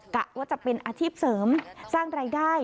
กะว่าจะเป็นอาชีพเสริมสร้างรายได้